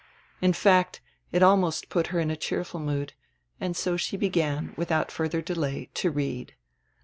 In fact, it almost put her in a cheerful mood, and so she began, with out further delay, to read.